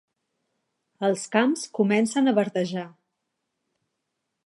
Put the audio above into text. Els camps comencen a verdejar.